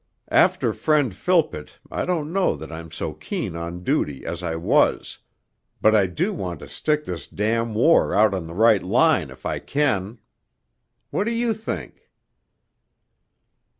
After friend Philpott I don't know that I'm so keen on duty as I was ... but I do want to stick this war out on the right line, if I can.... What do you think?'